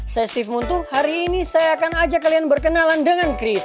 saya steventu hari ini saya akan ajak kalian berkenalan dengan chris